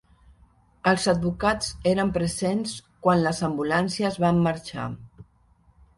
Els advocats eren presents quan les ambulàncies van marxar.